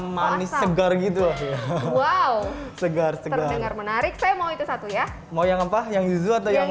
manis segar gitu wow segar segar menarik saya mau itu satu ya mau yang apa yang yusuf atau yang